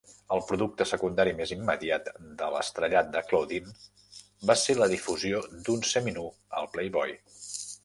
El producte secundari més immediat de l'estrellat de Claudine va ser la difusió d'un semi-nu al "Playboy".